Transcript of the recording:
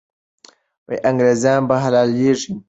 انګریزان به حلالېږي.